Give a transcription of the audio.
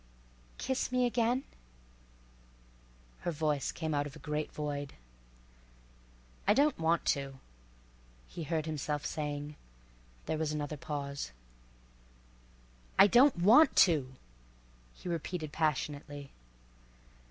"Kiss me again." Her voice came out of a great void. "I don't want to," he heard himself saying. There was another pause. "I don't want to!" he repeated passionately.